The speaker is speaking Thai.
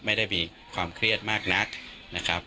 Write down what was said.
ไม่ได้มีความเครียดมากนักนะครับ